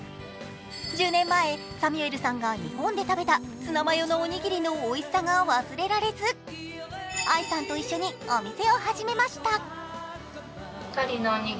１０年前、サミュエルさんが日本で食べたツナマヨのおにぎりのおいしさが忘れられず、愛さんと一緒にお店を始めました。